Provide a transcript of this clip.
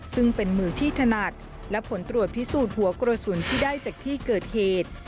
ซึ่งเป็นมือที่ถนัดและผลตรวจพิสูจน์หัวกระสุนที่ได้จากที่เกิดเหตุ